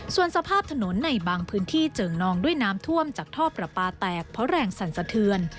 ส่วนสภาพถนนในบางพื้นที่เจิ่งนองด้วยน้ำท่วมจากท่อประปาแตกเพราะแรงสั่นสะเทือน